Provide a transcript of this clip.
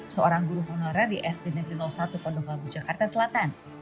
seorang guru honorer di sd negeri law satu kondokabu jakarta selatan